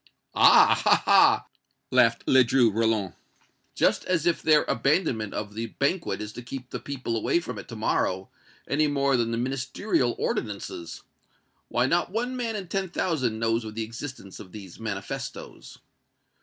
"Ah! ha! ha!" laughed Ledru Rollin; "just as if their abandonment of the banquet is to keep the people away from it to morrow, any more than the Ministerial ordinances! Why, not one man in ten thousand knows of the existence of these manifestoes!